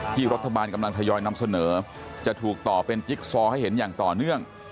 รัฐบาลกำลังทยอยนำเสนอจะถูกต่อเป็นจิ๊กซอให้เห็นอย่างต่อเนื่อง